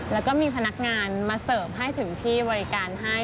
แล้วก็มีพนักงานมาเสิร์ฟให้ถึงที่บริการให้